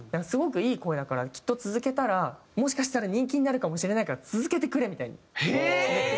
「すごくいい声だからきっと続けたらもしかしたら人気になるかもしれないから続けてくれ」みたいに。